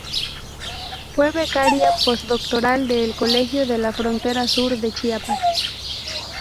Fue becaria postdoctoral de El Colegio de la frontera Sur, de Chiapas.